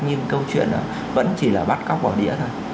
nhưng câu chuyện vẫn chỉ là bắt cóc bỏ đĩa thôi